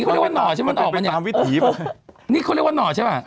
ปรามให้ปรามเข้าไปดูก่อนนิกว่า